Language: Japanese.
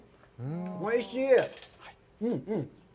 おいしい！